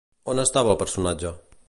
On estava el personatge?